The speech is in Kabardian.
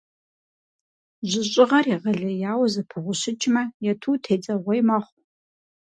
Жьыщӏыгъэр егъэлеяуэ зэпыгъущыкӏмэ, ету тедзэгъуей мэхъу.